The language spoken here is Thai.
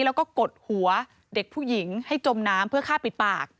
แล้วก็กดหัวเด็กผู้หญิงให้จมน้ำเพื่อฆ่าปิดปาก